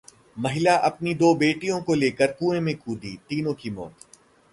महिला अपनी दो बेटियों को लेकर कुएं में कूदी, तीनों की मौत